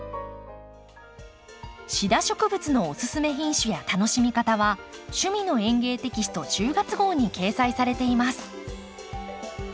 シダ植物のおすすめ品種や楽しみ方は「趣味の園芸」テキスト１０月号に掲載されています。